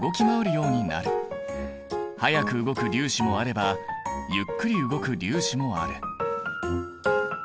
速く動く粒子もあればゆっくり動く粒子もある。